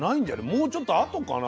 もうちょっと後かな？